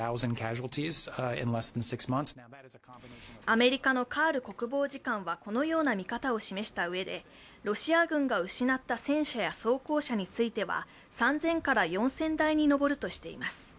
アメリカのカール国防次官はこのような見方を示したうえでロシア軍が失った戦車や装甲車については３０００から４０００代に上るとしています。